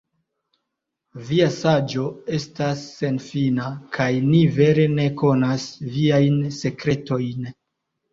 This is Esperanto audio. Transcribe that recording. Via saĝo estas senfina, kaj ni vere ne konas Viajn sekretojn!